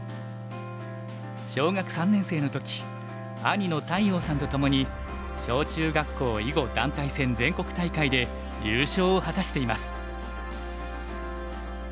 小学３年生の時兄の太陽さんとともに小・中学校囲碁団体戦全国大会で優勝を果たしています。